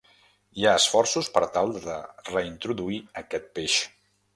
Hi ha esforços per tal de reintroduir aquest peix.